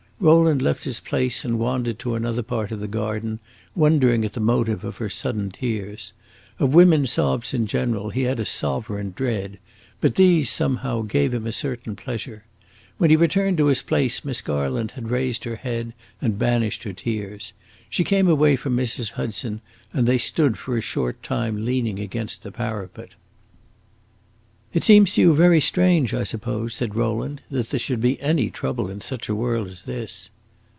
Rowland left his place and wandered to another part of the garden, wondering at the motive of her sudden tears. Of women's sobs in general he had a sovereign dread, but these, somehow, gave him a certain pleasure. When he returned to his place Miss Garland had raised her head and banished her tears. She came away from Mrs. Hudson, and they stood for a short time leaning against the parapet. "It seems to you very strange, I suppose," said Rowland, "that there should be any trouble in such a world as this."